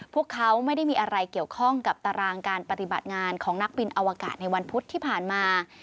พวกเขาไม่ได้มีอะไรเกี่ยวข้องกับตารางการปฏิบัติงานของนักบินอวกาศในวันพุธที่ผ่านมา